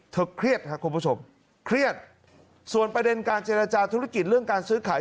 เครียดครับคุณผู้ชมเครียดส่วนประเด็นการเจรจาธุรกิจเรื่องการซื้อขาย